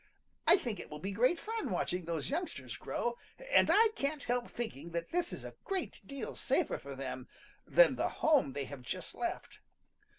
I think it will be great fun watching those youngsters grow, and I can't help thinking that this is a great deal safer for them than the home they have just left."